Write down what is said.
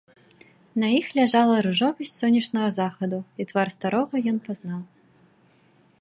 На іх ляжала ружовасць сонечнага захаду, і твар старога ён пазнаў.